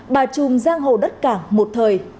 bà trùm giang hồ đất cảng một thời